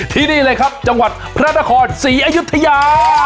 ที่นี่เลยครับจังหวัดพระนครศรีอยุธยา